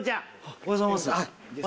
おはようございます。